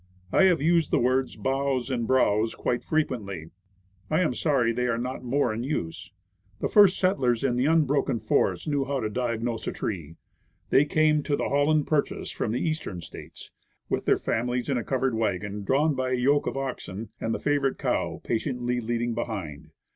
I have used the words "boughs" and "browse" quite frequently I am sorry they are not more in use. The first settlers in the unbroken Browse. 147 forest knew how to diagnose a tree. They came to the "Holland Purchase" from the Eastern States, with their families, in a covered wagon, drawn by a yoke of oxen, and the favorite cow patiently leading behind.